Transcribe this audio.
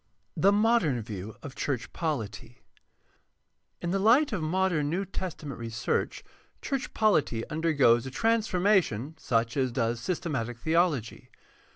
3. THE MODERN VIEW OF CHURCH POLITY In the light of modem New Testament research church polity undergoes a transformation such as does systematic theology.